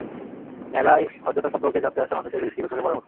মেলায় হজযাত্রা সম্পর্কে জানতে আসা মানুষের ভিড় ছিল চোখে পড়ার মতো।